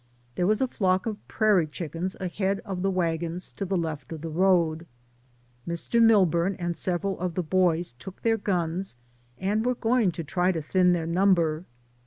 There was a flock of prairie chickens ahead of the wagons to the left of the road. Mr. Milburn and several of the boys took their guns and were going to try to thin their number.